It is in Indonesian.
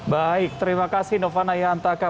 baik terima kasih novana yantaka